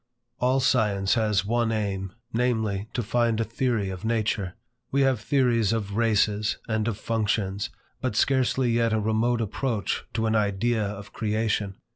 All science has one aim, namely, to find a theory of nature. We have theories of races and of functions, but scarcely yet a remote approach to an idea of creation.